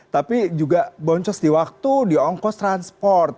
tapi juga boncos di waktu diongkos transport